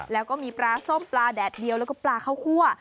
แล้วก็มีปลาส้มปลาแดดเดียวแล้วก็ปลาข้าวคั่ว